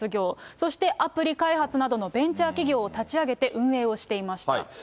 そして、アプリ開発などのベンチャー企業を立ち上げて、運営をしていました。